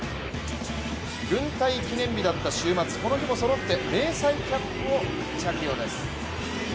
軍隊記念日だった週末この日もそろって迷彩キャップを着用です。